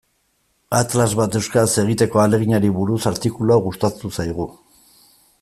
Atlas bat euskaraz egiteko ahaleginari buruz artikulu hau gustatu zaigu.